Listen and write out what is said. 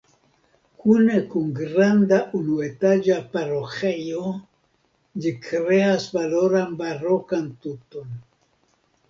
Kune kun granda unuetaĝa paroĥejo ĝi kreas valoran barokan tuton.